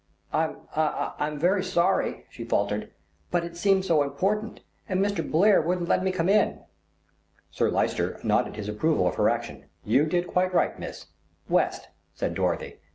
"I I'm very sorry," she faltered, "but it seemed so important, and Mr. Blair wouldn't let me come in." Sir Lyster nodded his approval of her action. "You did quite right, Miss " "West," said Dorothy.